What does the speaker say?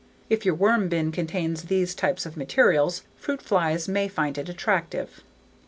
If your worm bin contains these types of materials, fruit flies may find it attractive.